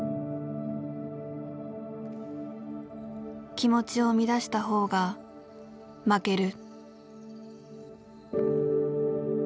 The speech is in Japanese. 気持ちを乱したほうが負ける。